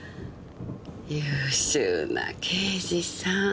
優秀な刑事さん。